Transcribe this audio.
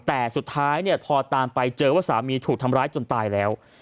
แต่สุดท้ายเนี่ยพอตามไปเจอว่าสามีถูกทำร้ายจนตายแล้ว